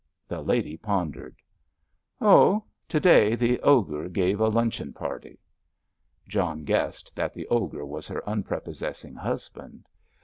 The lady pondered. "Oh, to day the Ogre gave a luncheon party." John guessed that the Ogre was her unprepossessing husband.